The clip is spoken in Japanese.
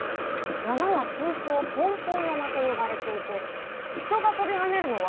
「山は通称ポンポン山と呼ばれていて」「人が飛び跳ねるのは」